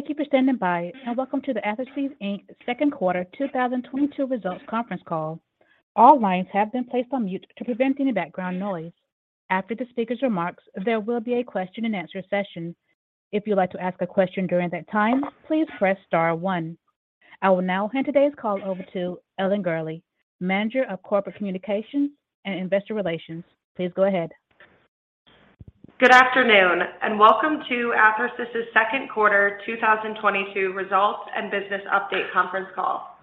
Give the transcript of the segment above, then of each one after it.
Thank you for standing by, and welcome to the Athersys, Inc. Q2 2022 results conference call. All lines have been placed on mute to prevent any background noise. After the speaker's remarks, there will be a question and answer session. If you'd like to ask a question during that time, please press star one. I will now hand today's call over to Ellen Gurley, Manager of Corporate Communications and Investor Relations. Please go ahead. Good afternoon, and welcome to Athersys' Q2 2022 results and business update conference call.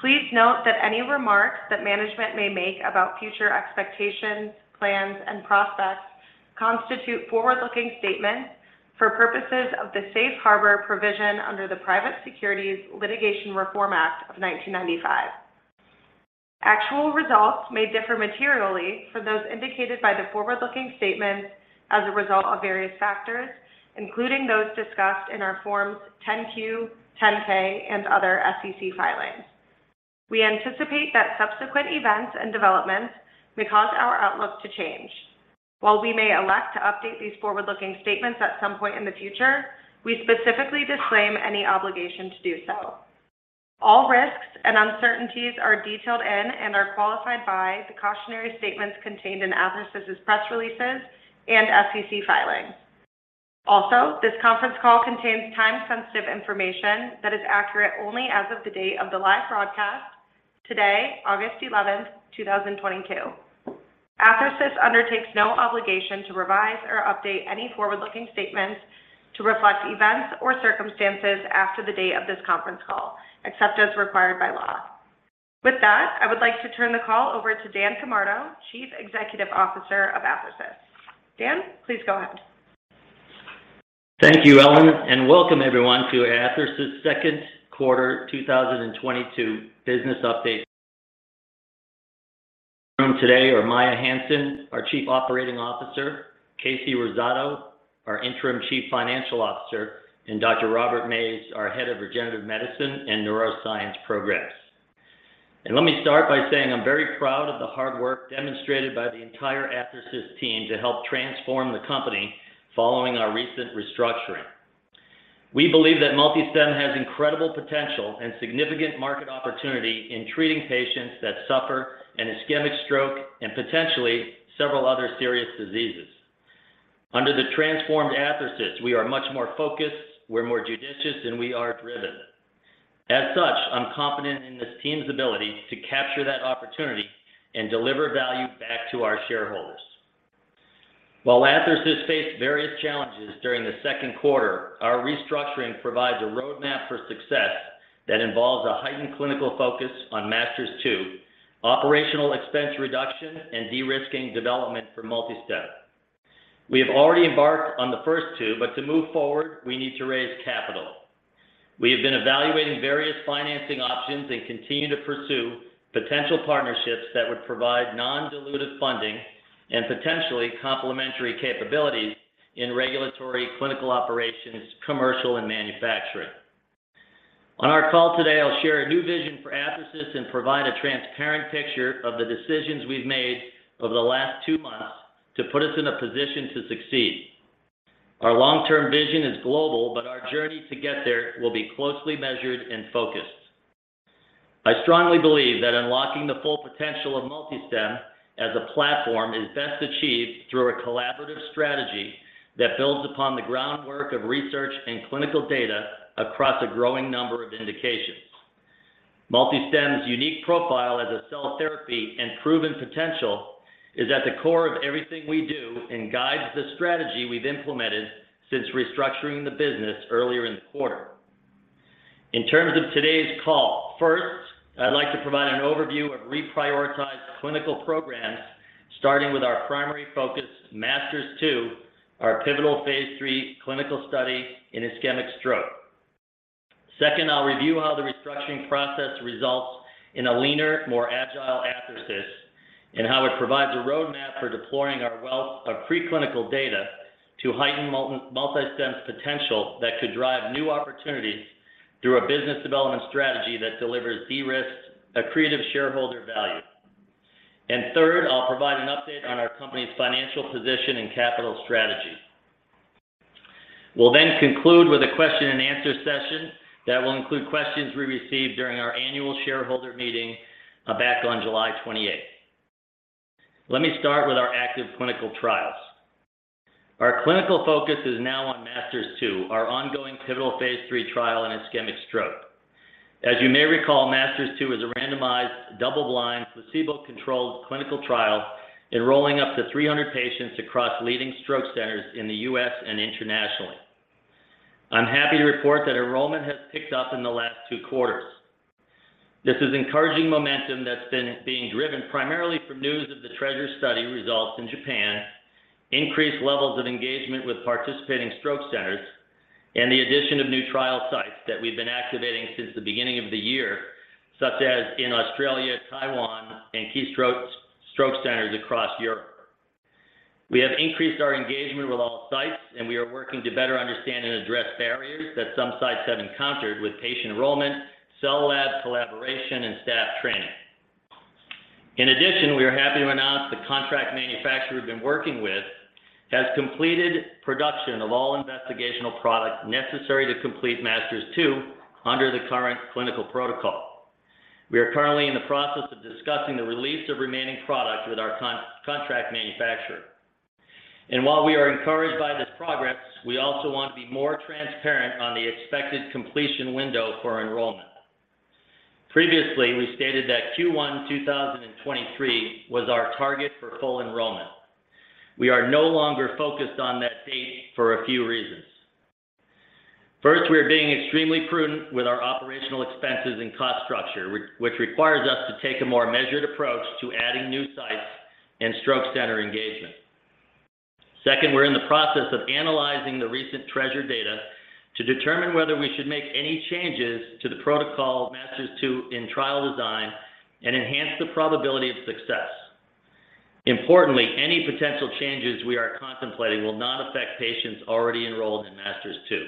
Please note that any remarks that management may make about future expectations, plans, and prospects constitute forward-looking statements for purposes of the Safe Harbor provision under the Private Securities Litigation Reform Act of 1995. Actual results may differ materially from those indicated by the forward-looking statements as a result of various factors, including those discussed in our Forms 10-Q, 10-K, and other SEC filings. We anticipate that subsequent events and developments may cause our outlook to change. While we may elect to update these forward-looking statements at some point in the future, we specifically disclaim any obligation to do so. All risks and uncertainties are detailed in and are qualified by the cautionary statements contained in Athersys' press releases and SEC filings. Also, this conference call contains time-sensitive information that is accurate only as of the date of the live broadcast today, August eleventh, two thousand twenty-two. Athersys undertakes no obligation to revise or update any forward-looking statements to reflect events or circumstances after the date of this conference call, except as required by law. With that, I would like to turn the call over to Daniel Camardo, Chief Executive Officer of Athersys. Dan, please go ahead. Thank you, Ellen, and welcome everyone to Athersys Q2 2022 business update. Today are Maia Hansen, our Chief Operating Officer, Kasey Rosado, our Interim Chief Financial Officer, and Dr. Robert Mays, our Head of Regenerative Medicine and Neuroscience. Let me start by saying I'm very proud of the hard work demonstrated by the entire Athersys team to help transform the company following our recent restructuring. We believe that MultiStem has incredible potential and significant market opportunity in treating patients that suffer an ischemic stroke and potentially several other serious diseases. Under the transformed Athersys, we are much more focused, we're more judicious, and we are driven. As such, I'm confident in this team's ability to capture that opportunity and deliver value back to our shareholders. While Athersys faced various challenges during the Q2, our restructuring provides a roadmap for success that involves a heightened clinical focus on MASTERS-2, operational expense reduction, and de-risking development for MultiStem. We have already embarked on the first two, but to move forward, we need to raise capital. We have been evaluating various financing options and continue to pursue potential partnerships that would provide non-dilutive funding and potentially complementary capabilities in regulatory, clinical operations, commercial, and manufacturing. On our call today, I'll share a new vision for Athersys and provide a transparent picture of the decisions we've made over the last two months to put us in a position to succeed. Our long-term vision is global, but our journey to get there will be closely measured and focused. I strongly believe that unlocking the full potential of MultiStem as a platform is best achieved through a collaborative strategy that builds upon the groundwork of research and clinical data across a growing number of indications. MultiStem's unique profile as a cell therapy and proven potential is at the core of everything we do and guides the strategy we've implemented since restructuring the business earlier in the quarter. In terms of today's call, first, I'd like to provide an overview of reprioritized clinical programs, starting with our primary focus, MASTERS-2, our pivotal phase III clinical study in ischemic stroke. Second, I'll review how the restructuring process results in a leaner, more agile Athersys, and how it provides a roadmap for deploying our wealth of preclinical data to heighten MultiStem's potential that could drive new opportunities through a business development strategy that delivers de-risked accretive shareholder value. Third, I'll provide an update on our company's financial position and capital strategy. We'll then conclude with a question and answer session that will include questions we received during our annual shareholder meeting back on July 28. Let me start with our active clinical trials. Our clinical focus is now on MASTERS-2 our ongoing pivotal phase III trial in ischemic stroke. As you may recall, MASTERS-2 is a randomized, double-blind, placebo-controlled clinical trial enrolling up to 300 patients across leading stroke centers in the U.S. and internationally. I'm happy to report that enrollment has picked up in the last two quarters. This is encouraging momentum that's been being driven primarily from news of the TREASURE study results in Japan, increased levels of engagement with participating stroke centers, and the addition of new trial sites that we've been activating since the beginning of the year, such as in Australia, Taiwan, and key stroke centers across Europe. We have increased our engagement with all sites, and we are working to better understand and address barriers that some sites have encountered with patient enrollment, cell lab collaboration, and staff training. In addition, the manufacturer we've been working with has completed production of all investigational products necessary to complete MASTERS-2 under the current clinical protocol. We are currently in the process of discussing the release of remaining products with our contract manufacturer. While we are encouraged by this progress, we also want to be more transparent on the expected completion window for enrollment. Previously, we stated that Q1 2023 was our target for full enrollment. We are no longer focused on that date for a few reasons. First, we are being extremely prudent with our operational expenses and cost structure, which requires us to take a more measured approach to adding new sites and stroke center engagement. Second, we're in the process of analyzing the recent TREASURE data to determine whether we should make any changes to the protocol MASTERS-2 trial design and enhance the probability of success. Importantly, any potential changes we are contemplating will not affect patients already enrolled in MASTERS-2.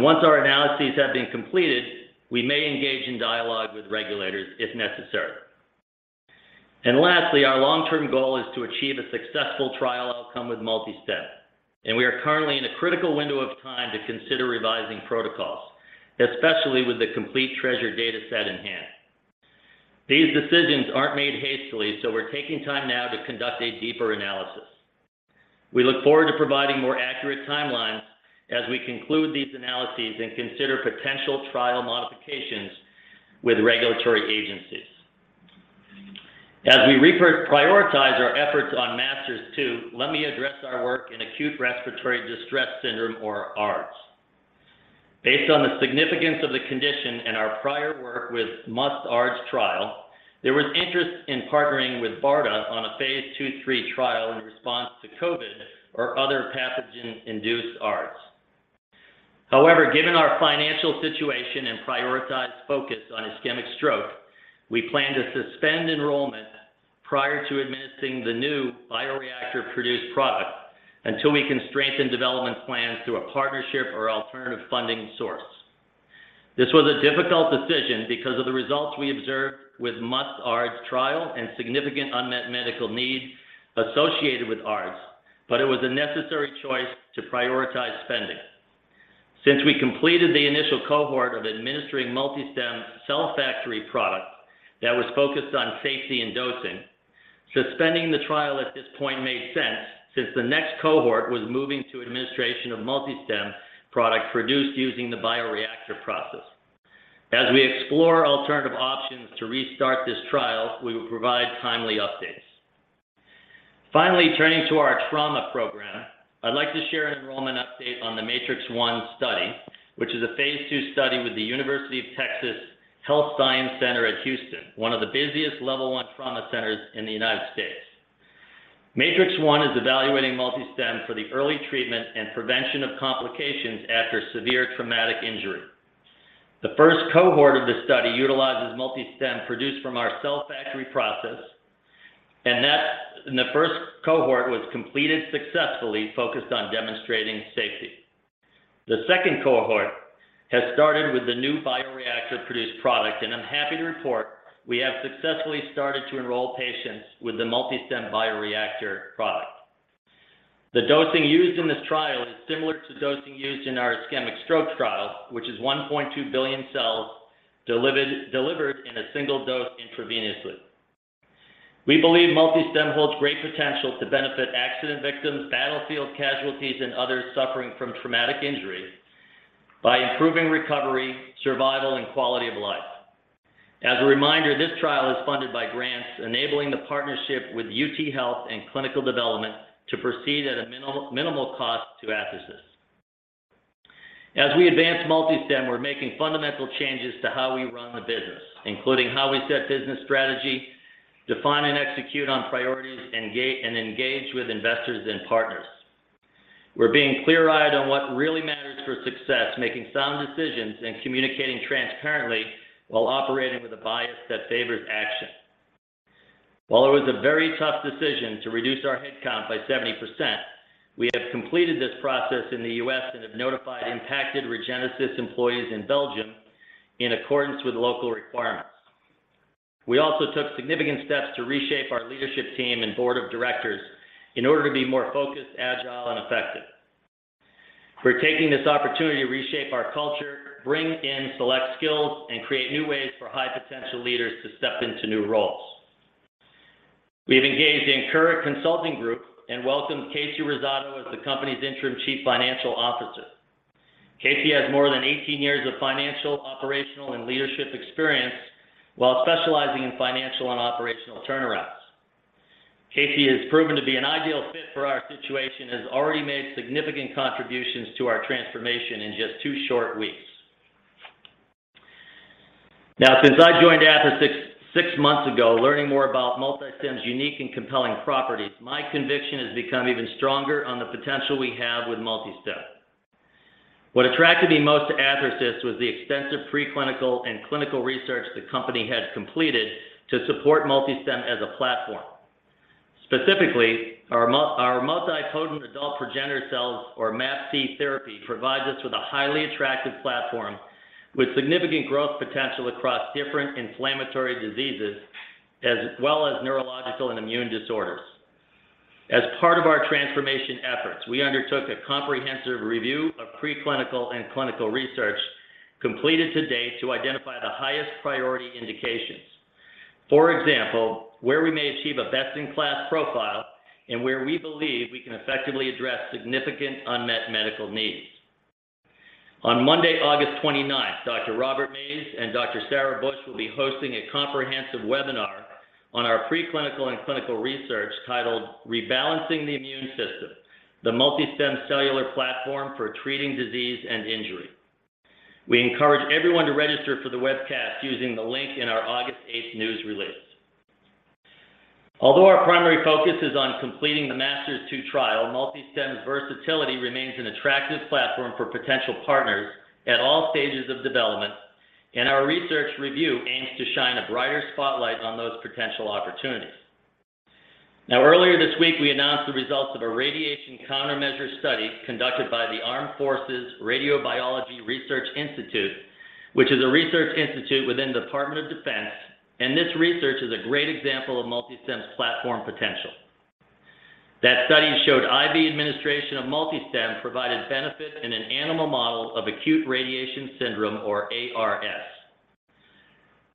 Once our analyses have been completed, we may engage in dialogue with regulators if necessary. Lastly, our long-term goal is to achieve a successful trial outcome with MultiStem, and we are currently in a critical window of time to consider revising protocols, especially with the complete TREASURE data set in hand. These decisions aren't made hastily, so we're taking time now to conduct a deeper analysis. We look forward to providing more accurate timelines as we conclude these analyses and consider potential trial modifications with regulatory agencies. As we reprioritize our efforts on MASTERS-2, let me address our work in acute respiratory distress syndrome or ARDS. Based on the significance of the condition and our prior work with MUST-ARDS trial, there was interest in partnering with BARDA on a phase II/3 trial in response to COVID or other pathogen-induced ARDS. However, given our financial situation and prioritized focus on ischemic stroke, we plan to suspend enrollment prior to administering the new bioreactor-produced product until we can strengthen development plans through a partnership or alternative funding source. This was a difficult decision because of the results we observed with MUST-ARDS trial and significant unmet medical needs associated with ARDS, but it was a necessary choice to prioritize spending. Since we completed the initial cohort of administering MultiStem cell factory product that was focused on safety and dosing, suspending the trial at this point made sense since the next cohort was moving to administration of MultiStem product produced using the bioreactor process. As we explore alternative options to restart this trial, we will provide timely updates. Finally, turning to our trauma program, I'd like to share an enrollment update on the MATRICS-1 study, which is a phase II study with the University of Texas Health Science Center at Houston, one of the busiest level 1 trauma centers in the United States. MATRICS-1 is evaluating MultiStem for the early treatment and prevention of complications after severe traumatic injury. The first cohort of the study utilizes MultiStem produced from our cell factory process, and the first cohort was completed successfully focused on demonstrating safety. The second cohort has started with the new bioreactor-produced product, and I'm happy to report we have successfully started to enroll patients with the MultiStem bioreactor product. The dosing used in this trial is similar to dosing used in our ischemic stroke trial, which is 1.2 billion cells delivered in a single dose intravenously. We believe MultiStem holds great potential to benefit accident victims, battlefield casualties, and others suffering from traumatic injury by improving recovery, survival, and quality of life. As a reminder, this trial is funded by grants enabling the partnership with UTHealth and Clinical Development to proceed at a minimal cost to Athersys. As we advance MultiStem, we're making fundamental changes to how we run the business, including how we set business strategy, define and execute on priorities, engage with investors and partners. We're being clear-eyed on what really matters for success, making sound decisions, and communicating transparently while operating with a bias that favors action. While it was a very tough decision to reduce our headcount by 70%, we have completed this process in the U.S. and have notified impacted ReGenesys employees in Belgium in accordance with local requirements. We also took significant steps to reshape our leadership team and board of directors in order to be more focused, agile, and effective. We're taking this opportunity to reshape our culture, bring in select skills, and create new ways for high-potential leaders to step into new roles. We've engaged Ankura Consulting Group and welcomed Kasey Rosado as the company's Interim Chief Financial Officer. Kasey has more than 18 years of financial, operational, and leadership experience while specializing in financial and operational turnarounds. Kasey has proven to be an ideal fit for our situation, has already made significant contributions to our transformation in just two short weeks. Now, since I joined Athersys six months ago, learning more about MultiStem's unique and compelling properties, my conviction has become even stronger on the potential we have with MultiStem. What attracted me most to Athersys was the extensive preclinical and clinical research the company had completed to support MultiStem as a platform. Specifically, our multipotent adult progenitor cells or MAPC therapy provides us with a highly attractive platform with significant growth potential across different inflammatory diseases as well as neurological and immune disorders. As part of our transformation efforts, we undertook a comprehensive review of preclinical and clinical research completed to date to identify the highest priority indications. For example, where we may achieve a best-in-class profile and where we believe we can effectively address significant unmet medical needs. On Monday, August 29, Dr. Robert Mays and Dr. Sarah Busch will be hosting a comprehensive webinar on our preclinical and clinical research titled Rebalancing the Immune System: The MultiStem Cellular Platform for Treating Disease and Injury. We encourage everyone to register for the webcast using the link in our August 8 news release. Although our primary focus is on completing the MASTERS-2 trial, MultiStem's versatility remains an attractive platform for potential partners at all stages of development, and our research review aims to shine a brighter spotlight on those potential opportunities. Now earlier this week, we announced the results of a radiation countermeasure study conducted by the Armed Forces Radiobiology Research Institute, which is a research institute within the Department of Defense, and this research is a great example of MultiStem's platform potential. That study showed IV administration of MultiStem provided benefit in an animal model of acute radiation syndrome, or ARS.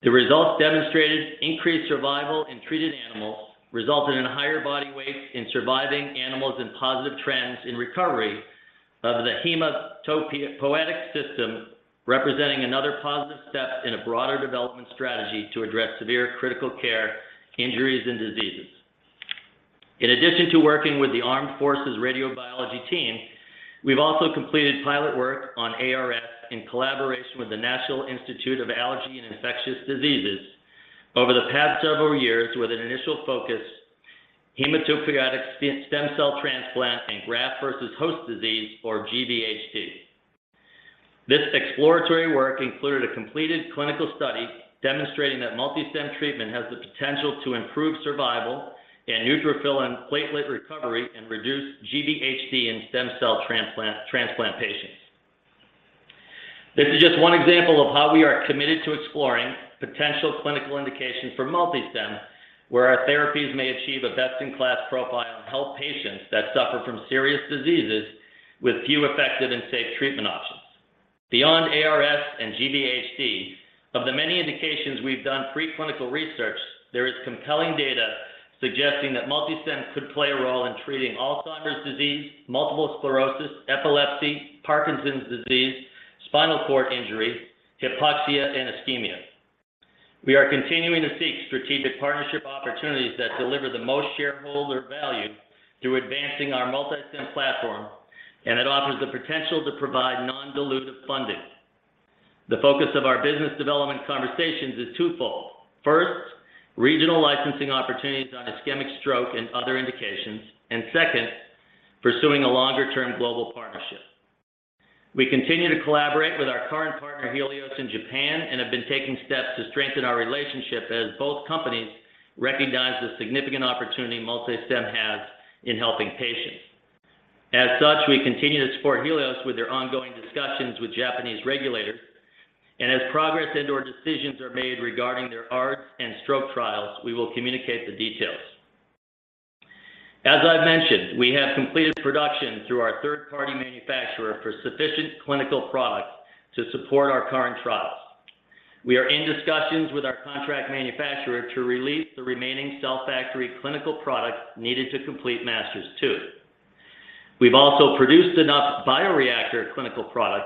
The results demonstrated increased survival in treated animals, resulting in higher body weight in surviving animals and positive trends in recovery of the hematopoietic system, representing another positive step in a broader development strategy to address severe critical care injuries and diseases. In addition to working with the Armed Forces Radiobiology Research Institute, we've also completed pilot work on ARS in collaboration with the National Institute of Allergy and Infectious Diseases over the past several years with an initial focus hematopoietic stem cell transplant and graft versus host disease, or GVHD. This exploratory work included a completed clinical study demonstrating that MultiStem treatment has the potential to improve survival and neutrophil and platelet recovery and reduce GVHD in stem cell transplant patients. This is just one example of how we are committed to exploring potential clinical indications for MultiStem, where our therapies may achieve a best-in-class profile and help patients that suffer from serious diseases with few effective and safe treatment options. Beyond ARS and GVHD, of the many indications we've done preclinical research, there is compelling data suggesting that MultiStem could play a role in treating Alzheimer's disease, multiple sclerosis, epilepsy, Parkinson's disease, spinal cord injury, hypoxia, and ischemia. We are continuing to seek strategic partnership opportunities that deliver the most shareholder value through advancing our MultiStem platform, and it offers the potential to provide non-dilutive funding. The focus of our business development conversations is twofold. First, regional licensing opportunities on ischemic stroke and other indications, and second, pursuing a longer-term global partnership. We continue to collaborate with our current partner, Healios, in Japan and have been taking steps to strengthen our relationship as both companies recognize the significant opportunity MultiStem has in helping patients. As such, we continue to support Healios with their ongoing discussions with Japanese regulators, and as progress and/or decisions are made regarding their ARDS and stroke trials, we will communicate the details. As I've mentioned, we have completed production through our third-party manufacturer for sufficient clinical product to support our current trials. We are in discussions with our contract manufacturer to release the remaining cell factory clinical product needed to complete MASTERS-2. We've also produced enough bioreactor clinical product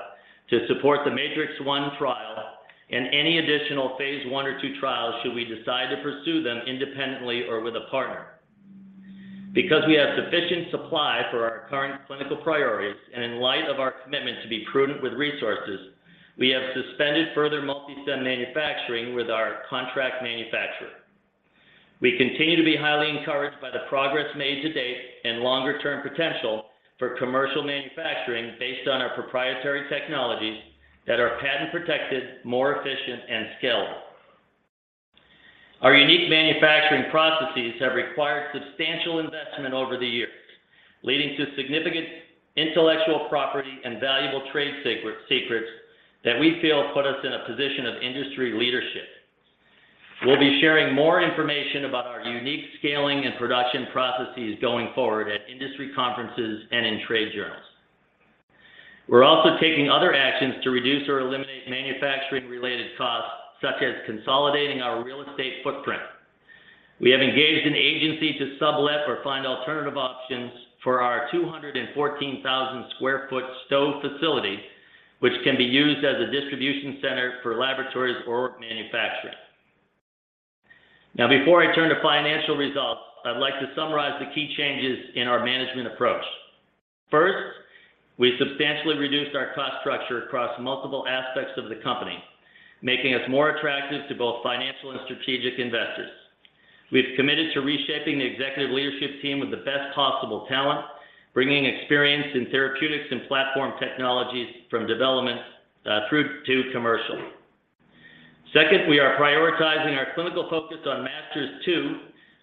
to support the MATRICS-1 trial and any additional phase I or II trials should we decide to pursue them independently or with a partner. Because we have sufficient supply for our current clinical priorities and in light of our commitment to be prudent with resources, we have suspended further MultiStem manufacturing with our contract manufacturer. We continue to be highly encouraged by the progress made to date and longer-term potential for commercial manufacturing based on our proprietary technologies that are patent-protected, more efficient, and scalable. Our unique manufacturing processes have required substantial investment over the years, leading to significant intellectual property and valuable trade secrets that we feel put us in a position of industry leadership. We'll be sharing more information about our unique scaling and production processes going forward at industry conferences and in trade journals. We're also taking other actions to reduce or eliminate manufacturing-related costs, such as consolidating our real estate footprint. We have engaged an agency to sublet or find alternative options for our 214,000 sq ft Stow facility, which can be used as a distribution center for laboratories or manufacturing. Now before I turn to financial results, I'd like to summarize the key changes in our management approach. First, we substantially reduced our cost structure across multiple aspects of the company, making us more attractive to both financial and strategic investors. We've committed to reshaping the executive leadership team with the best possible talent, bringing experience in therapeutics and platform technologies from development through to commercial. Second, we are prioritizing our clinical focus on MASTERS-2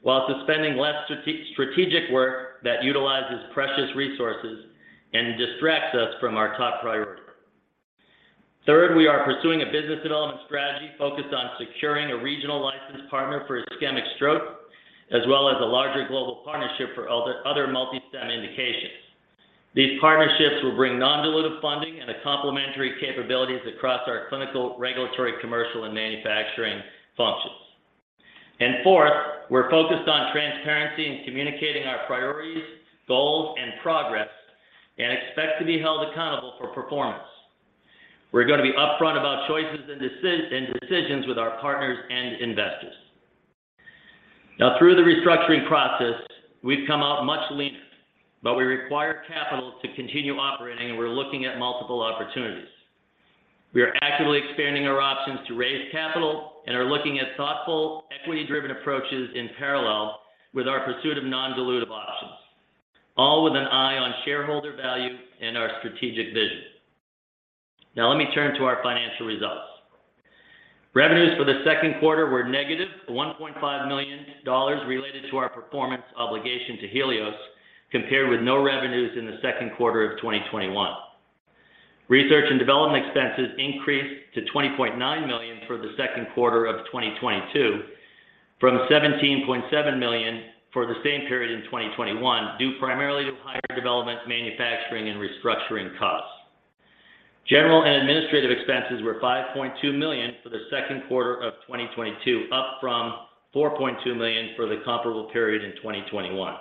while suspending less strategic work that utilizes precious resources and distracts us from our top priority. Third, we are pursuing a business development strategy focused on securing a regional license partner for ischemic stroke, as well as a larger global partnership for other MultiStem indications. These partnerships will bring non-dilutive funding and a complementary capabilities across our clinical, regulatory, commercial, and manufacturing functions. Fourth, we're focused on transparency and communicating our priorities, goals, and progress and expect to be held accountable for performance. We're going to be upfront about choices and decisions with our partners and investors. Now through the restructuring process, we've come out much leaner, but we require capital to continue operating and we're looking at multiple opportunities. We are actively expanding our options to raise capital and are looking at thoughtful, equity-driven approaches in parallel with our pursuit of non-dilutive options, all with an eye on shareholder value and our strategic vision. Now let me turn to our financial results. Revenues for the Q2 were negative $1.5 million related to our performance obligation to HEALIOS K.K. compared with no revenues in the Q2 of 2021. Research and development expenses increased to $20.9 million for the Q2 of 2022 from $17.7 million for the same period in 2021 due primarily to higher development, manufacturing, and restructuring costs. General and administrative expenses were $5.2 million for the Q2 of 2022, up from $4.2 million for the comparable period in 2021.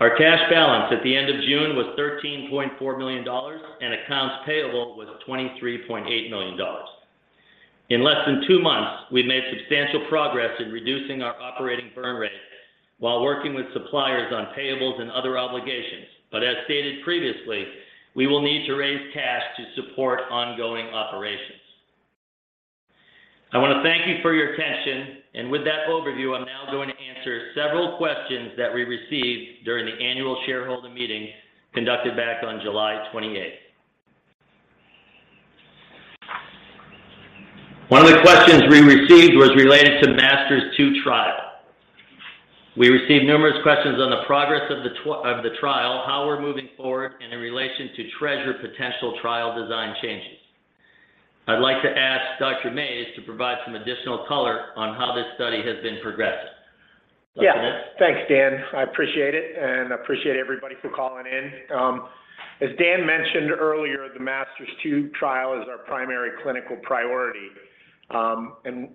Our cash balance at the end of June was $13.4 million and accounts payable was $23.8 million. In less than two months, we've made substantial progress in reducing our operating burn rate while working with suppliers on payables and other obligations. But as stated previously, we will need to raise cash to support ongoing operations. I want to thank you for your attention. With that overview, I'm now going to answer several questions that we received during the annual shareholder meeting conducted back on July 28th. One of the questions we received was related to MASTERS-2 trial. We received numerous questions on the progress of the trial, how we're moving forward, and in relation to TREASURE potential trial design changes. I'd like to ask Dr. Mays to provide some additional color on how this study has been progressing. Dr. Mays? Yeah. Thanks, Dan. I appreciate it and appreciate everybody for calling in. As Dan mentioned earlier, the MASTERS-2 trial is our primary clinical priority.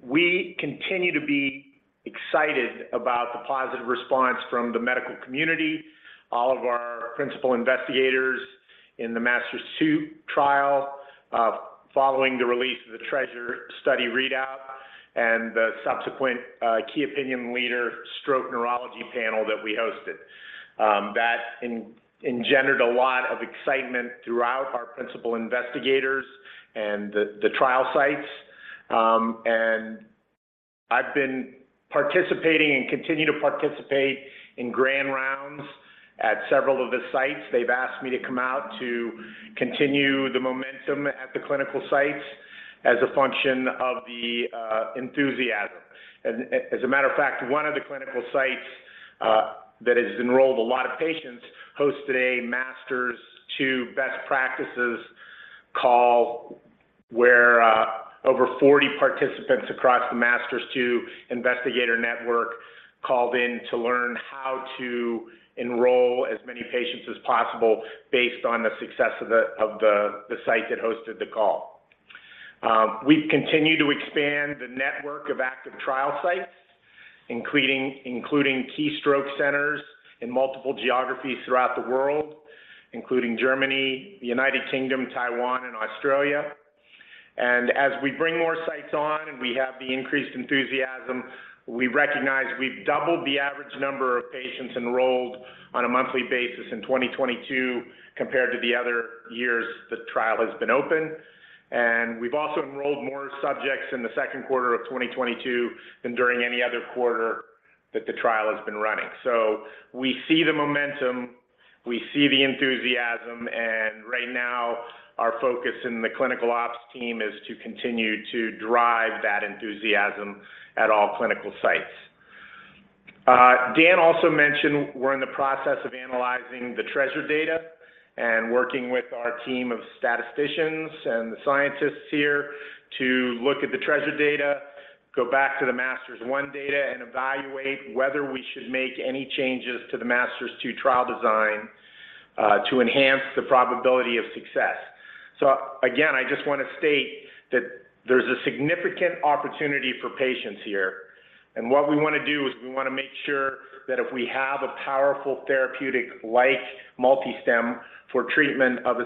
We continue to be excited about the positive response from the medical community, all of our principal investigators in the MASTERS-2 trial following the release of the TREASURE study readout and the subsequent key opinion leader stroke neurology panel that we hosted. That engendered a lot of excitement throughout our principal investigators and the trial sites. I've been participating and continue to participate in grand rounds at several of the sites. They've asked me to come out to continue the momentum at the clinical sites as a function of the enthusiasm. As a matter of fact, one of the clinical sites that has enrolled a lot of patients hosted a MASTERS-2 best practices call where over 40 participants across the MASTERS-2 investigator network called in to learn how to enroll as many patients as possible based on the success of the site that hosted the call. We've continued to expand the network of active trial sites, including key stroke centers in multiple geographies throughout the world, including Germany, the United Kingdom, Taiwan, and Australia. As we bring more sites on and we have the increased enthusiasm, we recognize we've doubled the average number of patients enrolled on a monthly basis in 2022 compared to the other years the trial has been open. We've also enrolled more subjects in the Q2 of 2022 than during any other quarter that the trial has been running. We see the momentum, we see the enthusiasm, and right now our focus in the clinical ops team is to continue to drive that enthusiasm at all clinical sites. Dan also mentioned we're in the process of analyzing the TREASURE data and working with our team of statisticians and the scientists here to look at the TREASURE data, go back to the MASTERS-1 data and evaluate whether we should make any changes to the MASTERS-2 trial design to enhance the probability of success. Again, I just want to state that there's a significant opportunity for patients here. What we want to do is we want to make sure that if we have a powerful therapeutic like MultiStem for treatment of a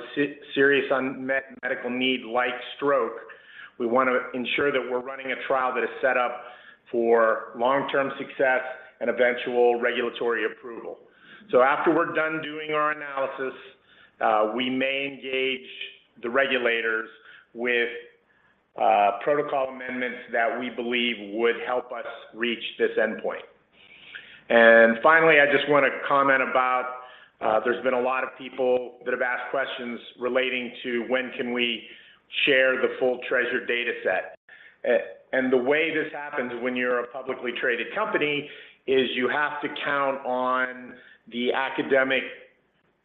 serious unmet medical need like stroke, we want to ensure that we're running a trial that is set up for long-term success and eventual regulatory approval. After we're done doing our analysis, we may engage the regulators with protocol amendments that we believe would help us reach this endpoint. Finally, I just wanna comment about, there's been a lot of people that have asked questions relating to when can we share the full TREASURE dataset. The way this happens when you're a publicly traded company is you have to count on the academic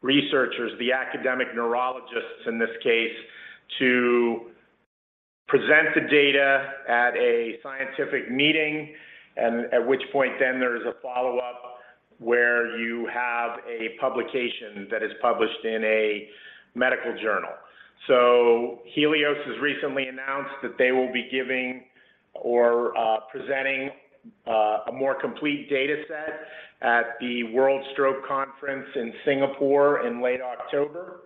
researchers, the academic neurologists in this case, to present the data at a scientific meeting and at which point then there's a follow-up where you have a publication that is published in a medical journal. Healios has recently announced that they will be presenting a more complete dataset at the World Stroke Congress in Singapore in late October.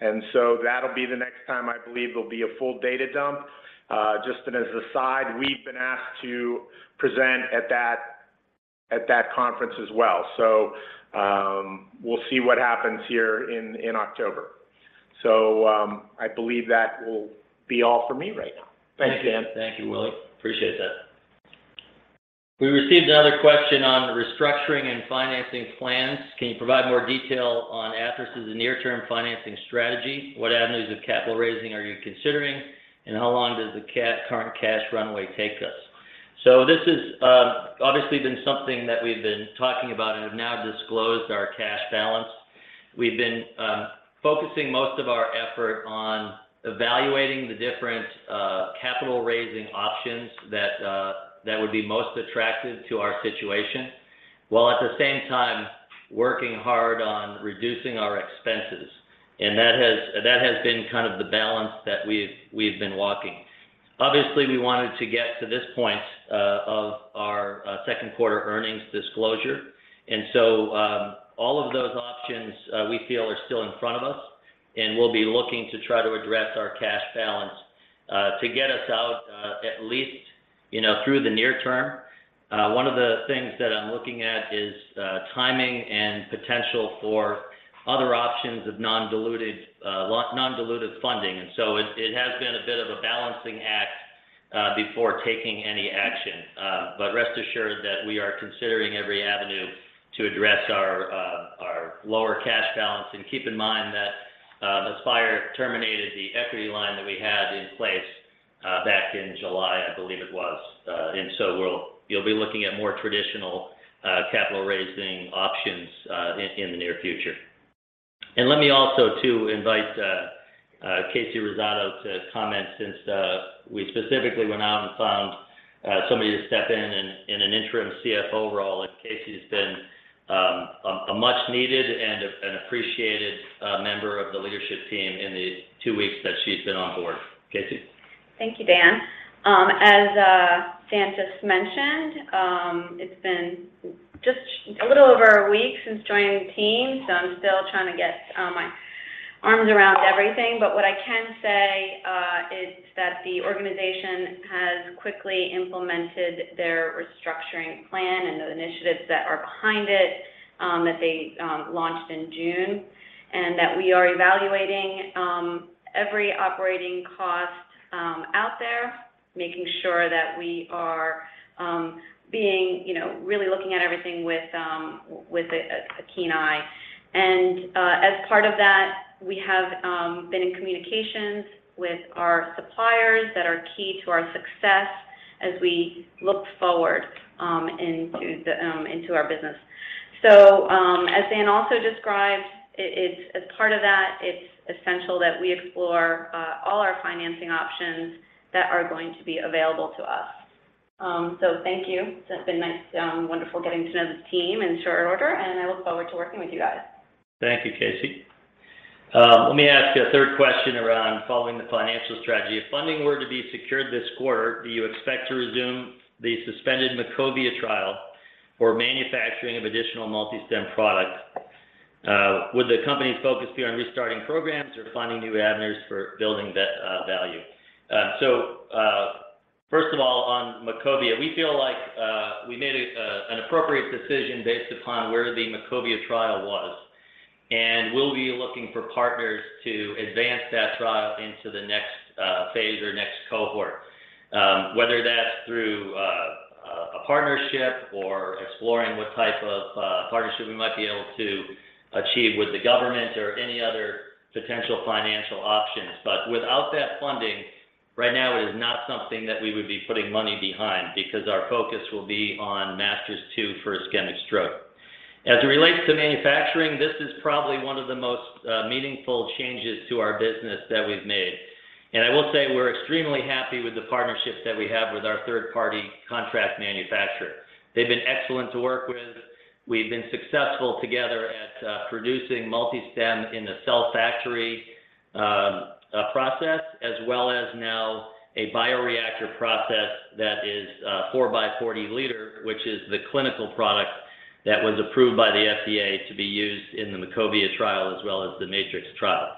That'll be the next time I believe there'll be a full data dump. Just as an aside, we've been asked to present at that congress as well. We'll see what happens here in October. I believe that will be all for me right now. Thanks, Dan. Thank you, [Willie]. Appreciate that. We received another question on restructuring and financing plans. Can you provide more detail on Athersys' near-term financing strategy? What avenues of capital raising are you considering? And how long does the current cash runway take us? This has obviously been something that we've been talking about and have now disclosed our cash balance. We've been focusing most of our effort on evaluating the different capital raising options that would be most attractive to our situation, while at the same time working hard on reducing our expenses. That has been kind of the balance that we've been walking. Obviously, we wanted to get to this point of our Q2 earnings disclosure. All of those options we feel are still in front of us, and we'll be looking to try to address our cash balance to get us out, at least, you know, through the near term. One of the things that I'm looking at is timing and potential for other options of non-diluted, non-dilutive funding. It has been a bit of a balancing act before taking any action. But rest assured that we are considering every avenue to address our lower cash balance. Keep in mind that Aspire terminated the equity line that we had in place back in July, I believe it was. You'll be looking at more traditional capital raising options in the near future. Let me also too invite Kasey Rosado to comment since we specifically went out and found somebody to step in in an interim CFO role. Kasey's been a much needed and an appreciated member of the leadership team in the two weeks that she's been on board. Kasey. Thank you, Dan. As Dan just mentioned, it's been just a little over a week since joining the team, so I'm still trying to get my arms around everything. But what I can say is that the organization has quickly implemented their restructuring plan and the initiatives that are behind it that they launched in June, and that we are evaluating every operating cost out there, making sure that we are being, you know, really looking at everything with a keen eye. As part of that, we have been in communications with our suppliers that are key to our success as we look forward into our business. As Dan also described, as part of that, it's essential that we explore all our financing options that are going to be available to us. Thank you. It's been nice, wonderful getting to know the team in short order, and I look forward to working with you guys. Thank you, Kasey. Let me ask a third question around following the financial strategy. If funding were to be secured this quarter, do you expect to resume the suspended MACOVIA trial or manufacturing of additional MultiStem products? Would the company's focus be on restarting programs or finding new avenues for building value? First of all, on MACOVIA, we feel like we made an appropriate decision based upon where the MACOVIA trial was, and we'll be looking for partners to advance that trial into the next phase or next cohort. Whether that's through a partnership or exploring what type of partnership we might be able to achieve with the government or any other potential financial options. Without that funding, right now it is not something that we would be putting money behind because our focus will be on MASTERS-2 for ischemic stroke. As it relates to manufacturing, this is probably one of the most meaningful changes to our business that we've made. I will say we're extremely happy with the partnerships that we have with our third-party contract manufacturer. They've been excellent to work with. We've been successful together at producing MultiStem in the cell factory process, as well as now a bioreactor process that is 4 by 40-liter, which is the clinical product that was approved by the FDA to be used in the MACOVIA trial as well as the MATRIX trial.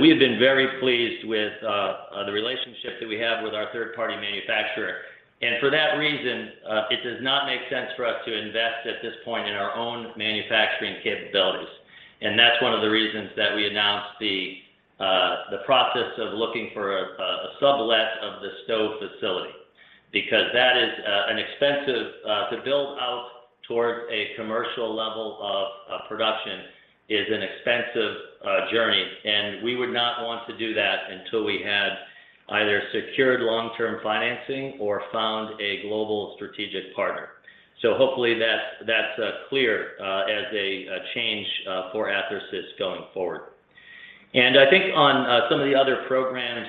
We have been very pleased with the relationship that we have with our third-party manufacturer. For that reason, it does not make sense for us to invest at this point in our own manufacturing capabilities. That's one of the reasons that we announced the process of looking for a sublet of the Stow facility because that is an expensive to build out towards a commercial level of production is an expensive journey. We would not want to do that until we had either secured long-term financing or found a global strategic partner. Hopefully that's clear as a change for Athersys going forward. I think on some of the other programs,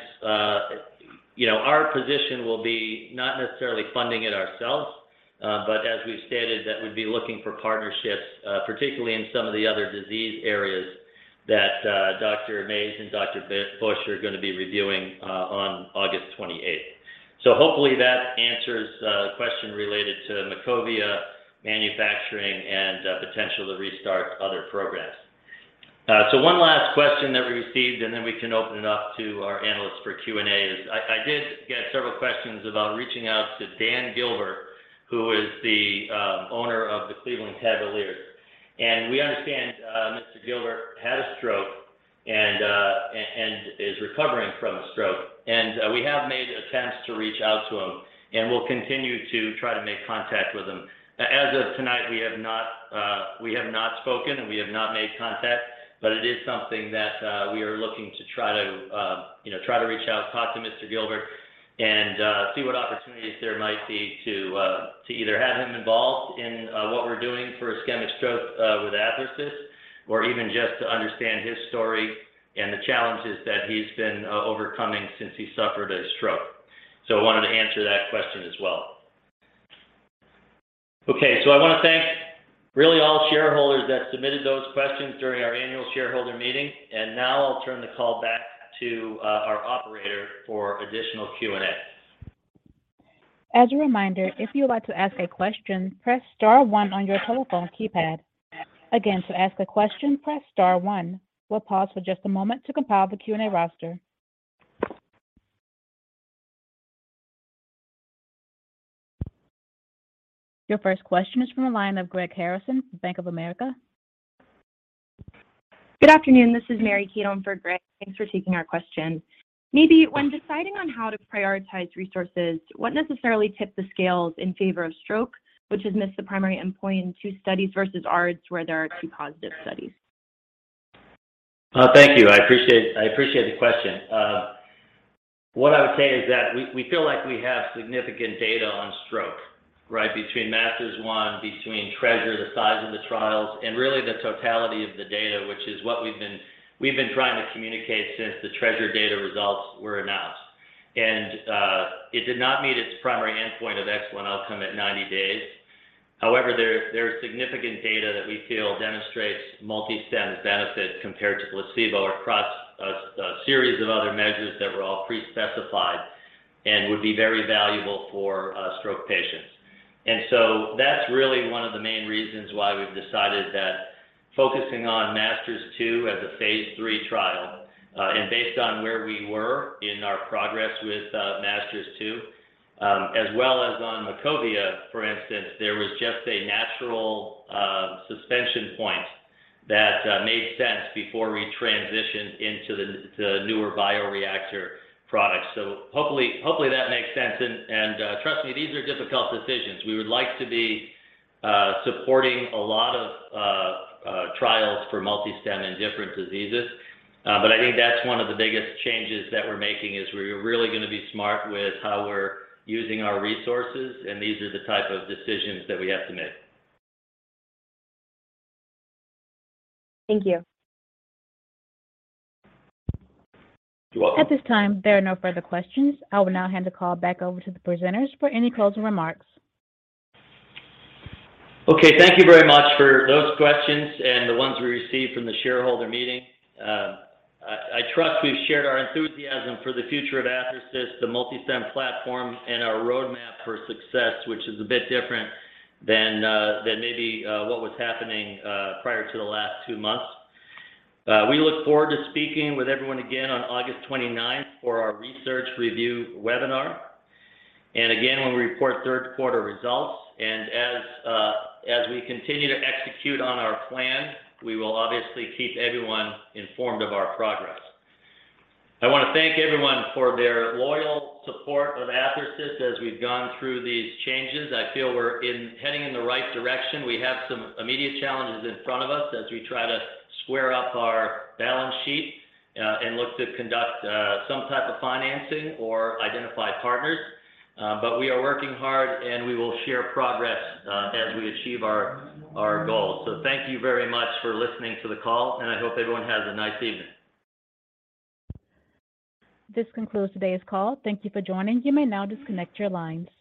you know, our position will be not necessarily funding it ourselves, but as we've stated, that we'd be looking for partnerships, particularly in some of the other disease areas that, Dr. Mays and Dr. Busch are gonna be reviewing on August twenty-eighth. Hopefully that answers the question related to MACOVIA manufacturing and potential to restart other programs. One last question that we received, and then we can open it up to our analysts for Q&A, is I did get several questions about reaching out to Dan Gilbert, who is the owner of the Cleveland Cavaliers. We understand Mr. Gilbert had a stroke and is recovering from a stroke. We have made attempts to reach out to him, and we'll continue to try to make contact with him. As of tonight, we have not spoken, and we have not made contact, but it is something that we are looking to try to, you know, reach out, talk to Mr. Gilbert and see what opportunities there might be to to either have him involved in what we're doing for ischemic stroke with Athersys or even just to understand his story and the challenges that he's been overcoming since he suffered a stroke. I wanted to answer that question as well. Okay, I wanna thank really all shareholders that submitted those questions during our annual shareholder meeting. Now I'll turn the call back to our operator for additional Q&A. As a reminder, if you would like to ask a question, press star one on your telephone keypad. Again, to ask a question, press star one. We'll pause for just a moment to compile the Q&A roster. Your first question is from the line of Greg Harrison from Bank of America. Good afternoon. This is Mary Keown for Greg. Thanks for taking our question. Maybe when deciding on how to prioritize resources, what necessarily tipped the scales in favor of stroke, which has missed the primary endpoint in two studies versus ARDS, where there are two positive studies? Thank you. I appreciate the question. What I would say is that we feel like we have significant data on stroke, right? Between MASTERS-1, between TREASURE, the size of the trials, and really the totality of the data, which is what we've been trying to communicate since the TREASURE data results were announced. It did not meet its primary endpoint of excellent outcome at 90 days. However, there's significant data that we feel demonstrates MultiStem's benefit compared to placebo across a series of other measures that were all pre-specified and would be very valuable for stroke patients. That's really one of the main reasons why we've decided that focusing on MASTERS-2 as a phase III trial, and based on where we were in our progress with MASTERS-2, as well as on MACOVIA, for instance, there was just a natural suspension point that made sense before we transitioned into the newer bioreactor products. Hopefully that makes sense. Trust me, these are difficult decisions. We would like to be supporting a lot of trials for MultiStem in different diseases. I think that's one of the biggest changes that we're making, is we're really gonna be smart with how we're using our resources, and these are the type of decisions that we have to make. Thank you. You're welcome. At this time, there are no further questions. I will now hand the call back over to the presenters for any closing remarks. Okay. Thank you very much for those questions and the ones we received from the shareholder meeting. I trust we've shared our enthusiasm for the future of Athersys, the MultiStem platform, and our roadmap for success, which is a bit different than maybe what was happening prior to the last two months. We look forward to speaking with everyone again on August twenty-ninth for our research review webinar and again when we report Q3 results. As we continue to execute on our plan, we will obviously keep everyone informed of our progress. I wanna thank everyone for their loyal support of Athersys as we've gone through these changes. I feel we're heading in the right direction. We have some immediate challenges in front of us as we try to square up our balance sheet, and look to conduct some type of financing or identify partners. We are working hard, and we will share progress as we achieve our goals. Thank you very much for listening to the call, and I hope everyone has a nice evening. This concludes today's call. Thank you for joining. You may now disconnect your lines.